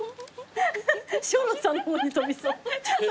生野さんの方に飛びそう。